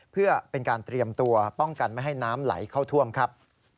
เพื่อเป็นการเตรียมตัวป้องกันไม่ให้น้ำไหลเข้าท่วมครับ